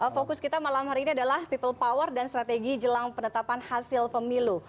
fokus kita malam hari ini adalah people power dan strategi jelang penetapan hasil pemilu